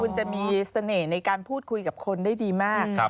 คุณจะมีเสน่ห์ในการพูดคุยกับคนได้ดีมาก